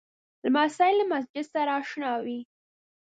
لمسی له مسجد سره اشنا وي.